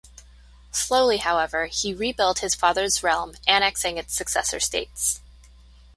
Slowly, however, he rebuilt his father's realm, annexing its successor states.